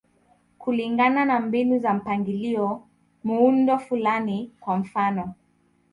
Kulingana na mbinu za mpangilio, muundo fulani, kwa mfano.